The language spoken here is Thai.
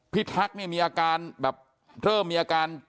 ทักษ์เนี่ยมีอาการแบบเริ่มมีอาการ